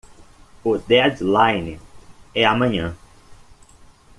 O deadline é amanhã.